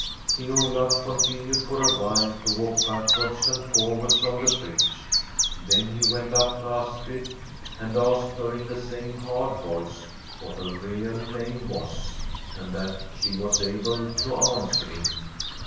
King Olaf continued for awhile to walk back wards and forwards on the bridge ; then he went up to Astrid, and asked her in the same hard voice what her real name was, and that she was able to answer him.